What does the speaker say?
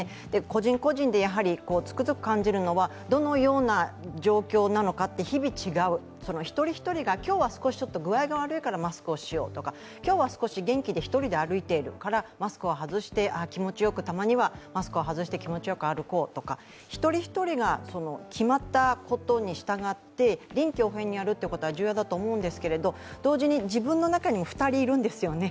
個人個人でつくづく感じるのはどのような状況なのか日々違う、一人一人が今日ちょっと具合が悪いからマスクをしようとか今日は少し元気で１人で歩いているからたまにはマスクを外して気持ちよく歩こうとか一人一人が決まったことに従って臨機応変にやることは重要だと思いますが同時に自分の中に２人いるんですよね。